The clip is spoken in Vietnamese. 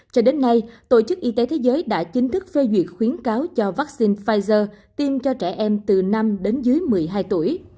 cho đến nay tổ chức y tế thế giới đã chính thức phê duyệt khuyến cáo cho vaccine pfizer tiêm cho trẻ em từ năm đến dưới một mươi hai tuổi